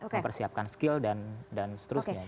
mempersiapkan skill dan seterusnya